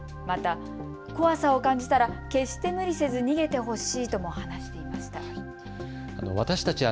また、怖さを感じたら決して無理せず逃げてほしいとも話していました。